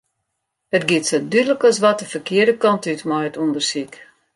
It giet sa dúdlik as wat de ferkearde kant út mei it ûndersyk.